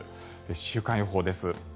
週間予報です。